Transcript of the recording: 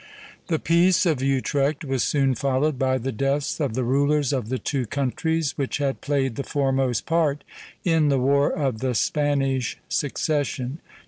The Peace of Utrecht was soon followed by the deaths of the rulers of the two countries which had played the foremost part in the War of the Spanish Succession.